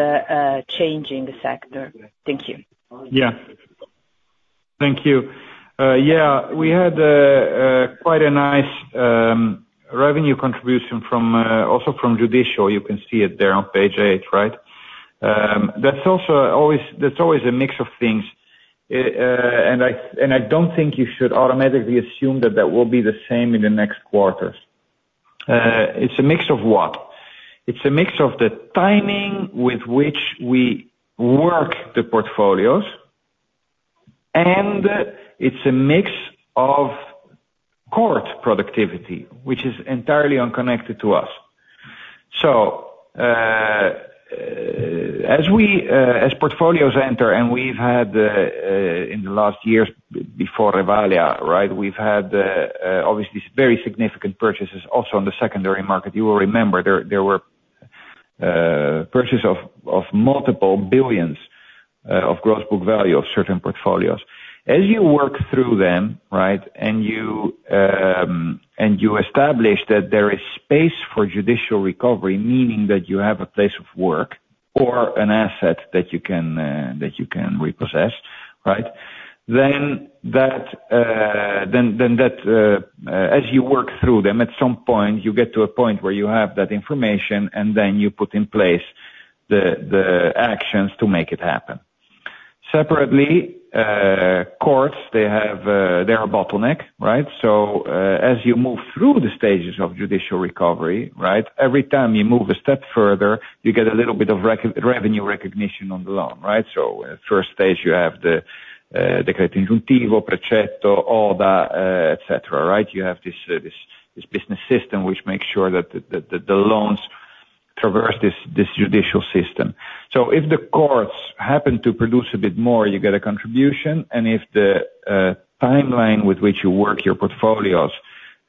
[SPEAKER 7] changing sector? Thank you.
[SPEAKER 2] Yeah. Thank you. Yeah, we had quite a nice revenue contribution from also from judicial. You can see it there on page eight, right? That's also always – that's always a mix of things. And I, and I don't think you should automatically assume that that will be the same in the next quarters. It's a mix of what? It's a mix of the timing with which we work the portfolios, and it's a mix of court productivity, which is entirely unconnected to us. So, as we, as portfolios enter, and we've had in the last years, before Revalea, right, we've had obviously very significant purchases also on the secondary market. You will remember there, there were purchase of of multiple billions of gross book value of certain portfolios. As you work through them, right, and you, and you establish that there is space for judicial recovery, meaning that you have a place of work or an asset that you can, that you can repossess, right? Then that, then, then that, as you work through them, at some point, you get to a point where you have that information, and then you put in place the, the actions to make it happen. Separately, courts, they have, they're a bottleneck, right? So, as you move through the stages of judicial recovery, right, every time you move a step further, you get a little bit of revenue recognition on the loan, right? So first stage, you have the, the..., et cetera, right? You have this business system, which makes sure that the loans traverse this judicial system. So if the courts happen to produce a bit more, you get a contribution, and if the timeline with which you work your portfolios,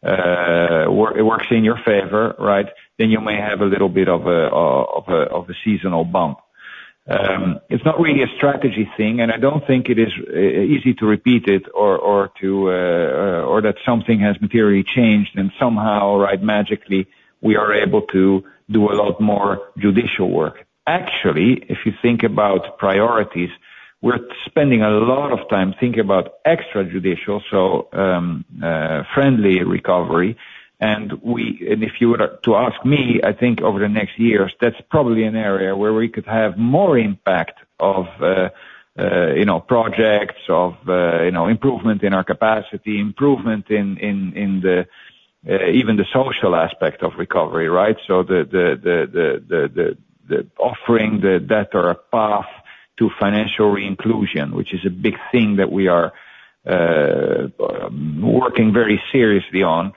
[SPEAKER 2] it works in your favor, right, then you may have a little bit of a seasonal bump. It's not really a strategy thing, and I don't think it is easy to repeat it or that something has materially changed, and somehow, right, magically, we are able to do a lot more judicial work. Actually, if you think about priorities, we're spending a lot of time thinking about extra judicial, so friendly recovery. And if you were to ask me, I think over the next years, that's probably an area where we could have more impact of, you know, projects, of, you know, improvement in our capacity, improvement in the even the social aspect of recovery, right? So the offering, the better path to financial inclusion, which is a big thing that we are working very seriously on,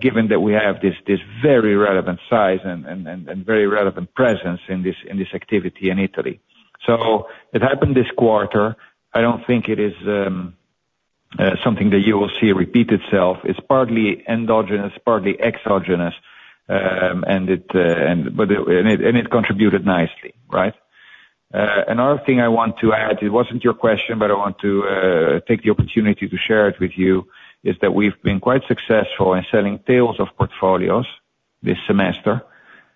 [SPEAKER 2] given that we have this very relevant size and very relevant presence in this activity in Italy. So it happened this quarter. I don't think it is something that you will see repeat itself. It's partly endogenous, partly exogenous, and but it... And it contributed nicely, right? Another thing I want to add, it wasn't your question, but I want to take the opportunity to share it with you, is that we've been quite successful in selling tails of portfolios this semester.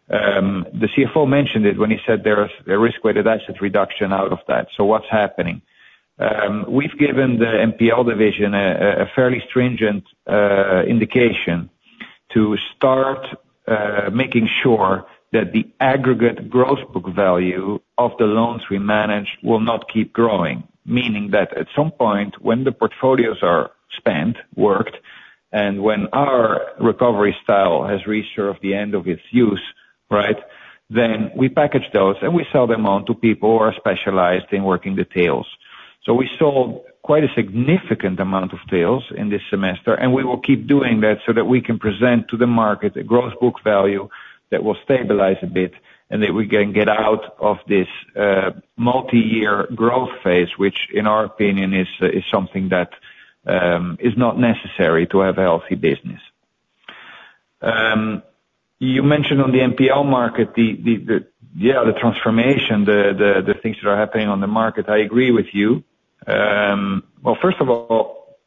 [SPEAKER 2] The CFO mentioned it when he said there are a risk-weighted asset reduction out of that. So what's happening? We've given the NPL division a fairly stringent indication to start making sure that the aggregate gross book value of the loans we manage will not keep growing. Meaning that at some point, when the portfolios are spent, worked, and when our recovery style has reached the end of its use, right, then we package those, and we sell them on to people who are specialized in working the tails. So we sold quite a significant amount of tails in this semester, and we will keep doing that, so that we can present to the market a gross book value that will stabilize a bit, and that we can get out of this multi-year growth phase, which in our opinion is something that is not necessary to have a healthy business. You mentioned on the NPL market, yeah, the transformation, the things that are happening on the market. I agree with you. Well, first of all,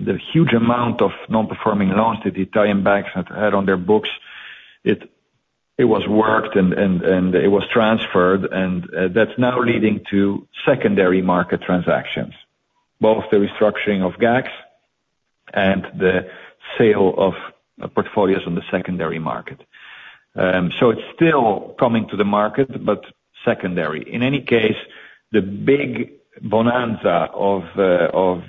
[SPEAKER 2] the huge amount of non-performing loans that the Italian banks have had on their books—it was worked and it was transferred, and that's now leading to secondary market transactions, both the restructuring of GACS and the sale of portfolios on the secondary market. So it's still coming to the market, but secondary. In any case, the big bonanza of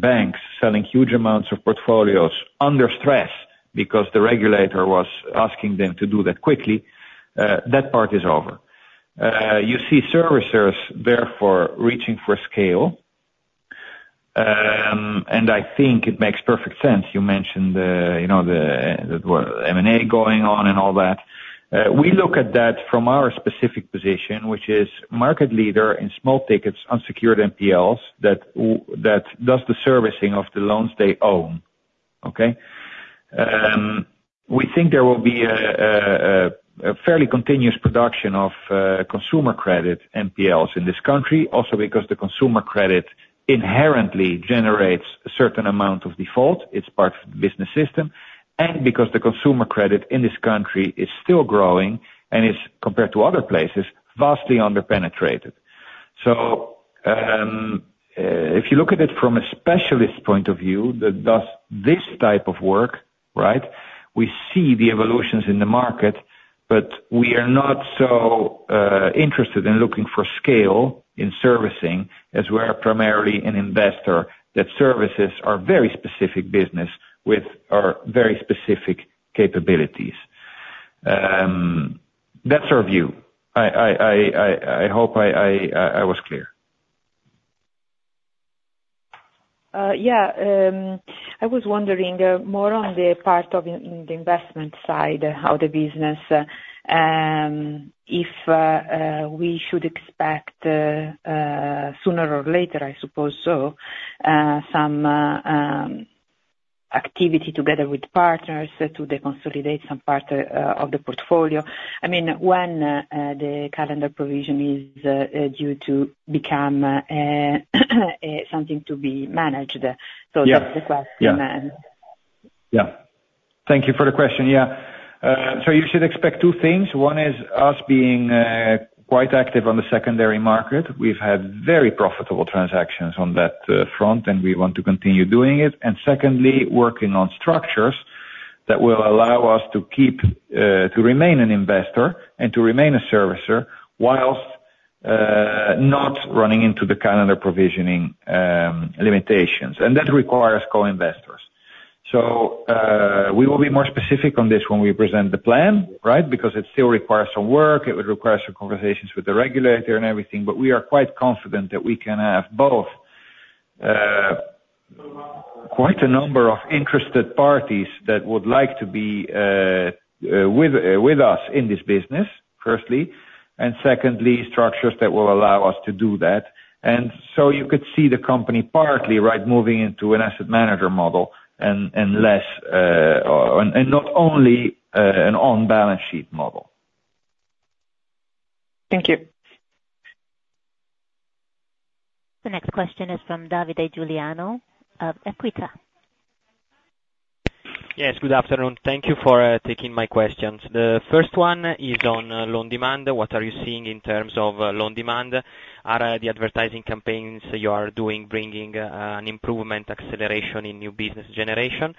[SPEAKER 2] banks selling huge amounts of portfolios under stress because the regulator was asking them to do that quickly, that part is over. You see servicers therefore reaching for scale, and I think it makes perfect sense. You mentioned the, you know, the M&A going on and all that. We look at that from our specific position, which is market leader in small tickets, unsecured NPLs, that does the servicing of the loans they own. Okay? We think there will be a fairly continuous production of consumer credit NPLs in this country. Also because the consumer credit inherently generates a certain amount of default, it's part of the business system, and because the consumer credit in this country is still growing and it's, compared to other places, vastly under-penetrated. So, if you look at it from a specialist point of view that does this type of work, right? We see the evolutions in the market, but we are not so interested in looking for scale in servicing, as we are primarily an investor that services our very specific business with our very specific capabilities. That's our view. I hope I was clear.
[SPEAKER 7] Yeah. I was wondering, more on the part of in, in the investment side, how the business, if we should expect, sooner or later, I suppose so, some activity together with partners to consolidate some part of the portfolio. I mean, when the calendar provisioning is due to become something to be managed?
[SPEAKER 2] Yeah.
[SPEAKER 7] So that's the question.
[SPEAKER 2] Yeah. Thank you for the question. Yeah. So you should expect two things. One is us being quite active on the secondary market. We've had very profitable transactions on that front, and we want to continue doing it. And secondly, working on structures that will allow us to keep... to remain an investor and to remain a servicer, while not running into the calendar provisioning limitations, and that requires co-investors. So we will be more specific on this when we present the plan, right? Because it still requires some work, it would require some conversations with the regulator and everything, but we are quite confident that we can have both quite a number of interested parties that would like to be with us in this business, firstly, and secondly, structures that will allow us to do that. And so you could see the company partly, right, moving into an asset manager model, and less, and not only an on-balance sheet model.
[SPEAKER 7] Thank you.
[SPEAKER 1] The next question is from Davide Giuliano of Equita.
[SPEAKER 8] Yes, good afternoon. Thank you for taking my questions. The first one is on loan demand. What are you seeing in terms of loan demand? Are the advertising campaigns you are doing bringing an improvement acceleration in new business generation?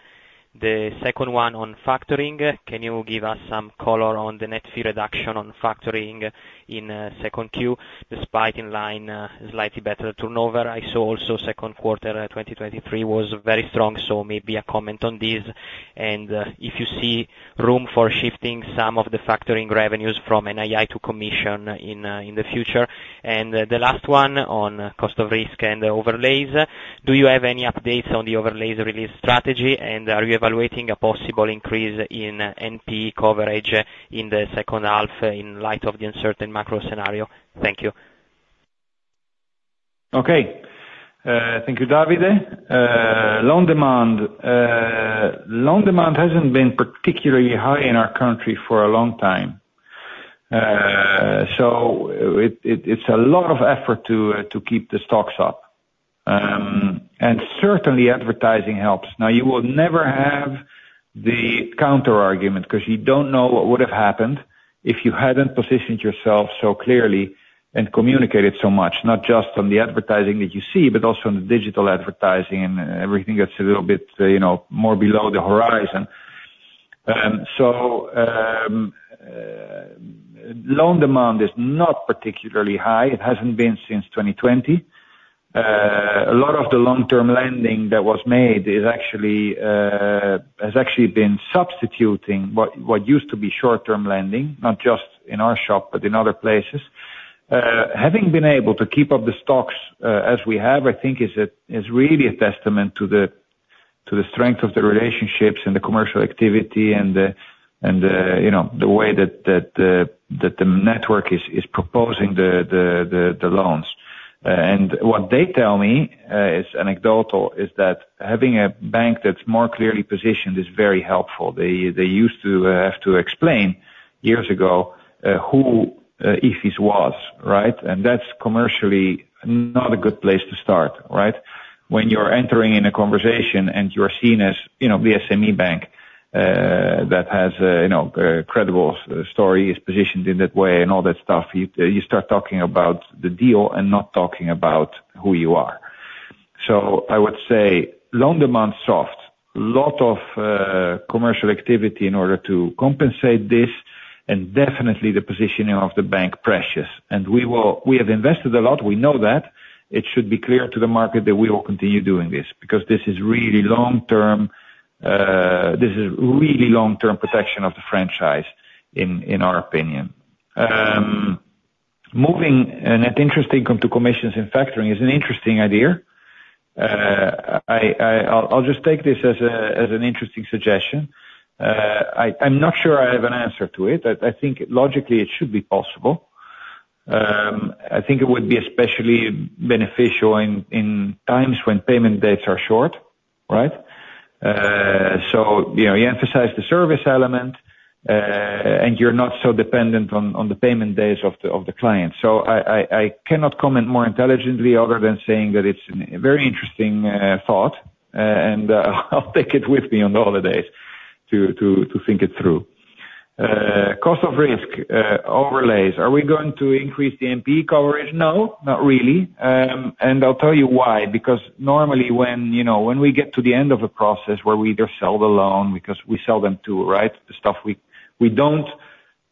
[SPEAKER 8] The second one on factoring. Can you give us some color on the net fee reduction on factoring in second Q, despite in line, slightly better turnover? I saw also second quarter 2023 was very strong, so maybe a comment on this, and if you see room for shifting some of the factoring revenues from NII to commission in the future. And the last one on cost of risk and overlays. Do you have any updates on the overlays release strategy? Are you evaluating a possible increase in NPE coverage in the second half in light of the uncertain macro scenario? Thank you.
[SPEAKER 2] Okay. Thank you, Davide. Loan demand hasn't been particularly high in our country for a long time. So it, it's a lot of effort to keep the stocks up. And certainly advertising helps. Now, you will never have the counterargument, because you don't know what would have happened if you hadn't positioned yourself so clearly and communicated so much, not just on the advertising that you see, but also on the digital advertising and everything that's a little bit, you know, more below the horizon. So loan demand is not particularly high. It hasn't been since 2020. A lot of the long-term lending that was made is actually has actually been substituting what used to be short-term lending, not just in our shop, but in other places. Having been able to keep up the stocks, as we have, I think is a, is really a testament to the strength of the relationships and the commercial activity and the, and the, you know, the way that the network is proposing the loans. And what they tell me, it's anecdotal, is that having a bank that's more clearly positioned is very helpful. They used to have to explain years ago who Ifis was, right? And that's commercially not a good place to start, right? When you're entering in a conversation and you are seen as, you know, the SME bank, that has, you know, a credible story, is positioned in that way and all that stuff, you, you start talking about the deal and not talking about who you are. So I would say loan demand soft, lot of, commercial activity in order to compensate this, and definitely the positioning of the bank precious. And we will. We have invested a lot, we know that. It should be clear to the market that we will continue doing this, because this is really long-term, this is really long-term protection of the franchise, in our opinion. Moving, and that interesting come to commissions and factoring is an interesting idea. I'll just take this as an interesting suggestion. I'm not sure I have an answer to it. I think logically it should be possible. I think it would be especially beneficial in times when payment dates are short, right? So, you know, you emphasize the service element, and you're not so dependent on the payment dates of the client. I cannot comment more intelligently, other than saying that it's a very interesting thought, and I'll take it with me on the holidays to think it through. Cost of risk, overlays. Are we going to increase the NPE coverage? No, not really, and I'll tell you why: because normally when, you know, when we get to the end of a process where we either sell the loan, because we sell them too, right? The stuff we don't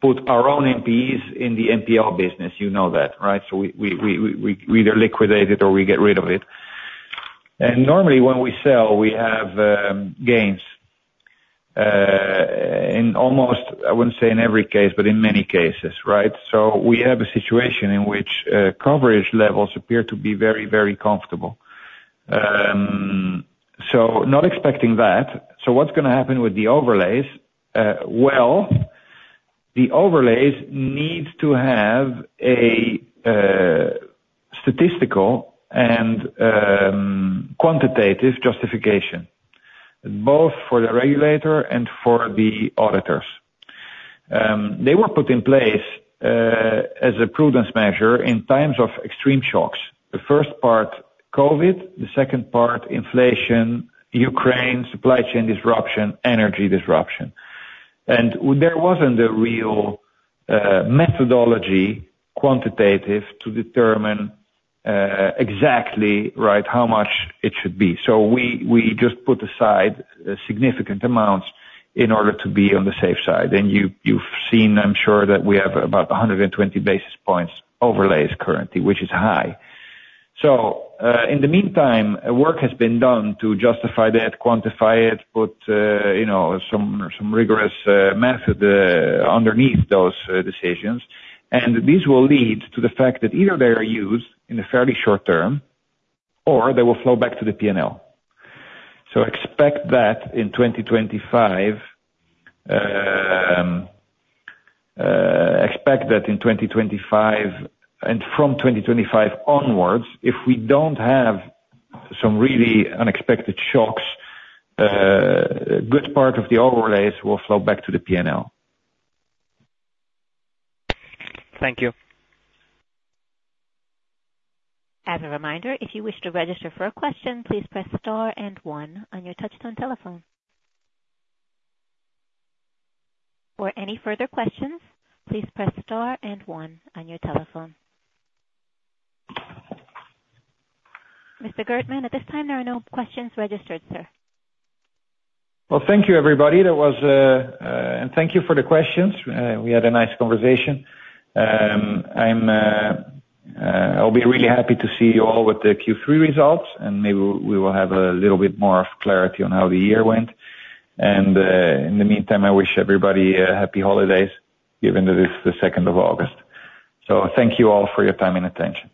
[SPEAKER 2] put our own NPEs in the NPL business. You know that, right? So we either liquidate it or we get rid of it. And normally, when we sell, we have gains in almost... I wouldn't say in every case, but in many cases, right? So we have a situation in which coverage levels appear to be very, very comfortable. So not expecting that. So what's gonna happen with the overlays? Well, the overlays need to have a statistical and quantitative justification, both for the regulator and for the auditors. They were put in place as a prudence measure in times of extreme shocks. The first part, COVID, the second part, inflation, Ukraine, supply chain disruption, energy disruption. There wasn't a real, methodology, quantitative, to determine, exactly, right, how much it should be. So we, we just put aside significant amounts in order to be on the safe side. And you've seen, I'm sure, that we have about 120 basis points overlays currently, which is high. So, in the meantime, work has been done to justify that, quantify it, put, you know, some, some rigorous, method, underneath those, decisions. And these will lead to the fact that either they are used in a fairly short term, or they will flow back to the P&L. So expect that in 2025, expect that in 2025, and from 2025 onwards, if we don't have some really unexpected shocks, good part of the overlays will flow back to the P&L.
[SPEAKER 8] Thank you.
[SPEAKER 1] As a reminder, if you wish to register for a question, please press star and one on your touchtone telephone. For any further questions, please press star and one on your telephone. Mr. Geertman, at this time, there are no questions registered, sir.
[SPEAKER 2] Well, thank you, everybody. That was... And thank you for the questions. We had a nice conversation. I'm really happy to see you all with the Q3 results, and maybe we will have a little bit more of clarity on how the year went. And, in the meantime, I wish everybody a happy holidays, given that it's the 2nd August. So thank you all for your time and attention.